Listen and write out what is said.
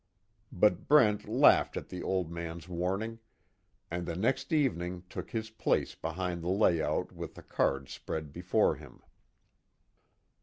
But Brent laughed at the old man's warning, and the next evening took his place behind the layout with the cards spread before him.